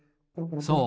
そう。